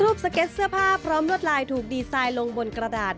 สเก็ตเสื้อผ้าพร้อมลวดลายถูกดีไซน์ลงบนกระดาษ